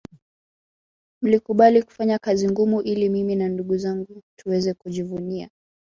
Mlikubali kufanya kazi ngumu ili mimi na ndugu zangu tuweze kujivunia